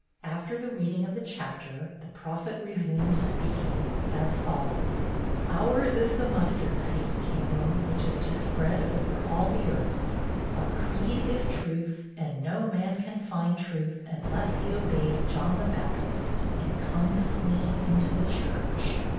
After the reading of the chapter, the prophet resumed speaking, as follows: 'Ours is the mustard seed kingdom which is to spread all over the earth. Our creed is truth, and no man can find truth unless he obeys John the Baptist, and comes clean into the church.